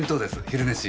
昼飯。